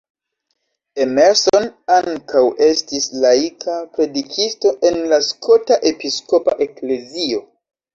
Emerson ankaŭ estis laika predikisto en la Skota Episkopa Eklezio.